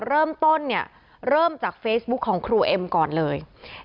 เริ่มต้นเนี่ยเริ่มจากเฟซบุ๊คของครูเอ็มก่อนเลย